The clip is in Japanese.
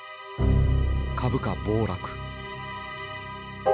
株価暴落。